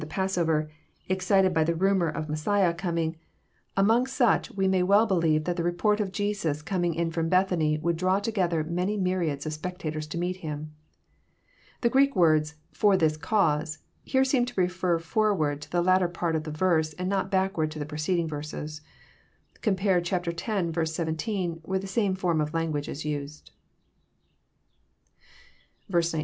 the Passover, excited by the rumour of Messiah coming^— 330 EXFOSITORY THOUGHTS. among 8uc]i we may well believe that the report of Jesns com iDg in from Bethany would draw together many myriads of spectators to meet Him. The Greek words, " for this cause," here seem to refer for ward to the latter part of the verse, and not backward to the preceding verse. Compare z. 17, where the same form of lan guage is used. 19.— [T?